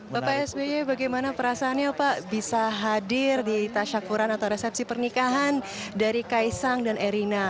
bapak sby bagaimana perasaannya pak bisa hadir di tasyakuran atau resepsi pernikahan dari kaisang dan erina